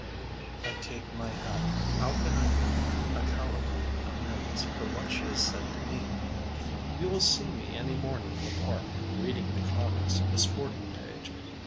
I take my hat: how can I make a cowardly amends For what she has said to me? You will see me any morning in the park Reading the comics and the sporting page.